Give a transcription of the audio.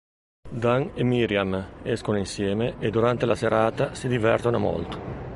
Dan e Miriam escono insieme e durante la serata si divertono molto.